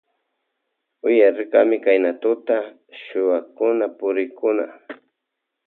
Uyarirkami Kayna tuta chuwakuna purikkuna.